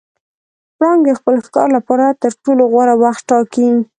پړانګ د خپل ښکار لپاره تر ټولو غوره وخت ټاکي.